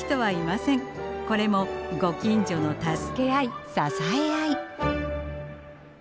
これもご近所の助け合い支え合い。